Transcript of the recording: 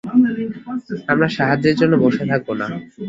আমরা সাহায্যের জন্য বসে থাকব না।